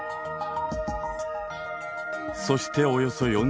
そしておよそ４０万年